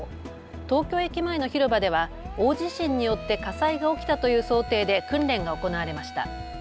東京駅前の広場では大地震によって火災が起きたという想定で訓練が行われました。